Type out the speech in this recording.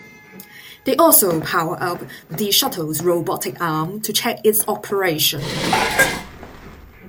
They also powered up the shuttle's robotic arm to check its operation.